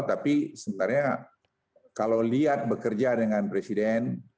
tapi sebenarnya kalau lihat bekerja dengan presiden